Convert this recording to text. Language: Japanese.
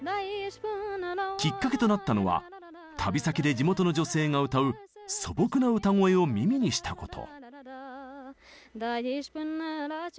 きっかけとなったのは旅先で地元の女性が歌う素朴な歌声を耳にしたこと。